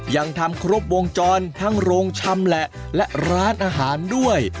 ยังทำครบวงจรทั้งโรงชำแหละและร้านอาหารด้วย